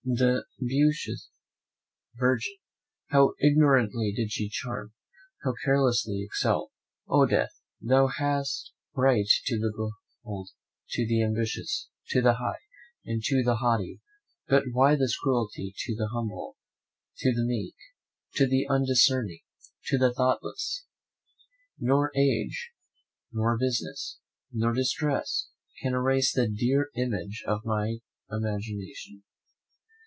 The beauteous virgin! how ignorantly did she charm, how carelessly excel! Oh, Death! thou hast right to the bold, to the ambitious, to the high, and to the haughty; but why this cruelty to the humble, to the meek, to the undiscerning, to the thoughtless? Nor age, nor business, nor distress can erase the dear image from my imagination.